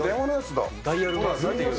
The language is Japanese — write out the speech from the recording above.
これ、ダイヤルが。